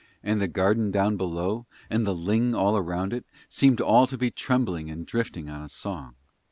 And the garden down below, and the ling all round it, seemed all to be trembling and drifting on a song.